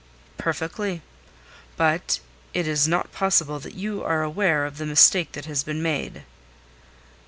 "Perfectly. But it is not possible that you are aware of the mistake that has been made."